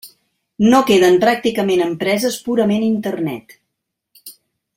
No queden pràcticament empreses purament Internet.